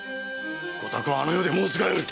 ごたくはあの世で申すがよい。